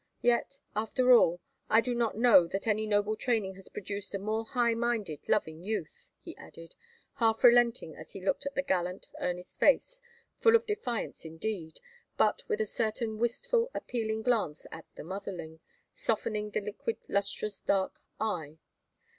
Yet, after all, I do not know that any noble training has produced a more high minded loving youth," he added, half relenting as he looked at the gallant, earnest face, full of defiance indeed, but with a certain wistful appealing glance at "the motherling," softening the liquid lustrous dark eye.